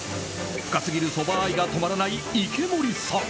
深すぎるそば愛が止まらない池森さん。